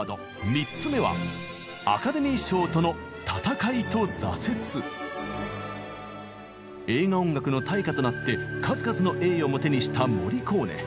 ３つ目は映画音楽の大家となって数々の栄誉も手にしたモリコーネ。